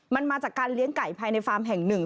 มันมาจากการเลี้ยงไก่ภายในฟาร์มแห่งหนึ่ง